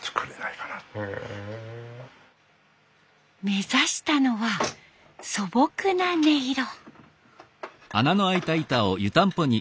目指したのは素朴な音色。